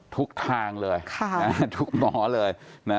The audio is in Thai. ทุกทางเลยทุกหมอเลย